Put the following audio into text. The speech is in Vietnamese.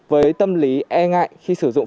với tâm lý e ngại khi sử dụng